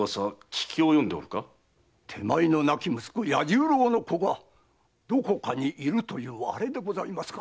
手前の亡き息子・弥十郎の子がどこかにいるというあれでございますか？